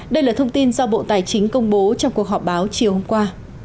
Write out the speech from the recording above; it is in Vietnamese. đây là thông tin do bộ tài chính công bố trong cuộc họp báo chiều hôm qua